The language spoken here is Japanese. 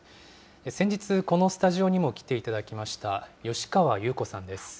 先日、このスタジオにも来ていただきました吉川優子さんです。